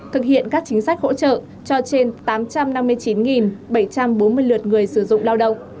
thực hiện các chính sách hỗ trợ cho trên tám trăm năm mươi chín bảy trăm bốn mươi lượt người sử dụng lao động